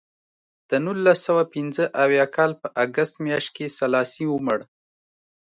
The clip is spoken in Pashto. د نولس سوه پنځه اویا کال په اګست میاشت کې سلاسي ومړ.